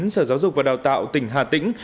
sở giáo dục và đào tạo tỉnh hà tĩnh